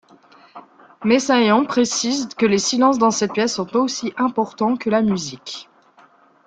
Messiaen précise que les silences dans cette pièce sont aussi importants que la musique.